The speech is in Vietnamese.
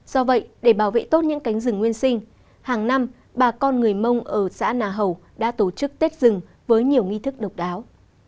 do vậy để bảo vệ tốt những cánh rừng nguyên sinh hàng năm bà con người mông ở xã nà hầu đã tổ chức tết rừng với nhiều nghi thức độc đáo